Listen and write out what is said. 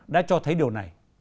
đã cho thấy điều này